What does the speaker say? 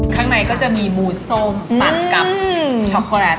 ข้างในก็จะมีหมูส้มตัดกับช็อกโกแลต